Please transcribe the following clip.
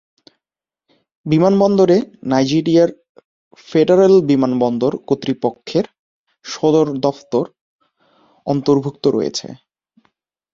বিমানবন্দরে নাইজেরিয়ার ফেডারেল বিমানবন্দর কর্তৃপক্ষের সদর দফতর অন্তর্ভুক্ত রয়েছে।